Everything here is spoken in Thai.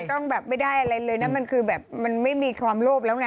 ต้องแบบไม่ได้อะไรเลยนะมันคือแบบมันไม่มีความโลภแล้วไง